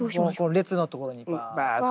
列のところにバーッと。